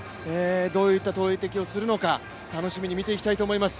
どういった投てきをするのか、楽しみに見ていきたいと思います。